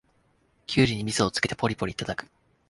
キュウリにみそをつけてポリポリいただく